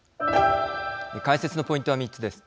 解説のポイントは３つです。